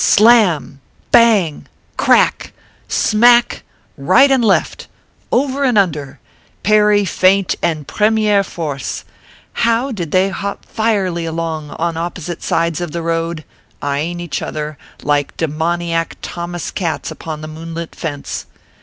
Slam ! bang ! crack ! smack !" right and left ! over and under ! parry, feint, and premiere force ! Now did they hop fierily along on opposite sides of the road, eyeing each other like demoniac Thomas Cats upon the moonlit fence.